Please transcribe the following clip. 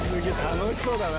楽しそうだな。